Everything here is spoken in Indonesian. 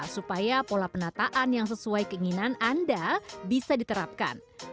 supaya pola penataan yang sesuai keinginan anda bisa diterapkan